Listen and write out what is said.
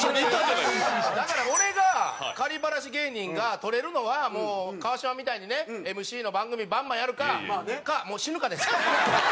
なんなら俺がバラシ芸人が取れるのは川島みたいにねＭＣの番組バンバンやるかもう死ぬかです。